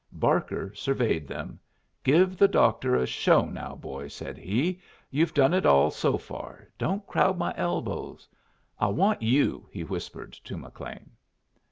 Barker surveyed them. "Give the doctor a show now, boys," said he. "You've done it all so far. Don't crowd my elbows. I'll want you," he whispered to McLean.